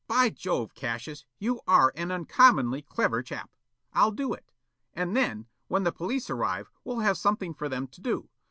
By jove, Cassius, you are an uncommonly clever chap. I'll do it. And then, when the police arrive, we'll have something for them to do.